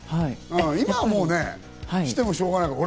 今はもうね、してもしょうがないから。